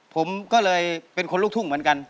ผมก็เลยเป็นคนลูกทุ่งเหมือนกัน